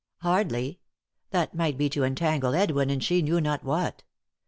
Hardly ; that might be to entangle Edwin in she knew not what.